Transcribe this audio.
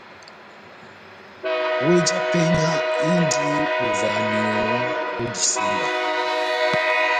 Weh já penya indi bovahaniyo ó disemba.